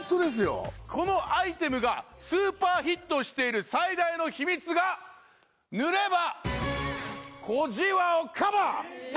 このアイテムがスーパーヒットしている最大の秘密が塗れば小じわをカバー！